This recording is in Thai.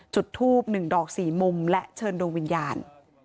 จุดทูบ๑ดอก๔มุมและเชิญดวงวิญญาณ